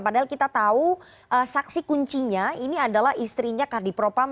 padahal kita tahu saksi kuncinya ini adalah istrinya kardipropam